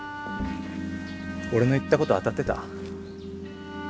俺の言ったこと当たってた？